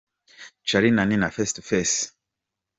Charly & Nina - Face to Faced.